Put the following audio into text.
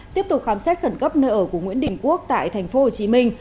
tiếp tục khám xét khẩn cấp nơi ở của nguyễn đình quốc tại thành phố hồ chí minh